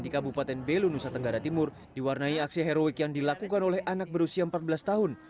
di kabupaten belu nusa tenggara timur diwarnai aksi heroik yang dilakukan oleh anak berusia empat belas tahun